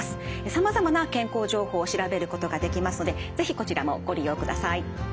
さまざまな健康情報を調べることができますので是非こちらもご利用ください。